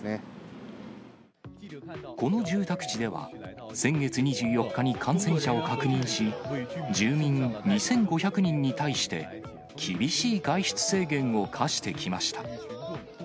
この住宅地では、先月２４日に感染者を確認し、住民２５００人に対して、厳しい外出制限を課してきました。